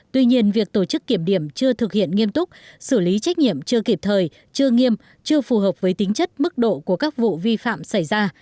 tuy nhiên việc tổ chức kiểm điểm chưa thực hiện nghiêm túc xử lý trách nhiệm chưa kịp thời chưa nghiêm chưa phù hợp với tính chất mức độ của các vụ vi phạm xảy ra